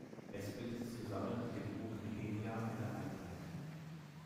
Es bildet zusammen mit dem Buch Nehemia eine Einheit.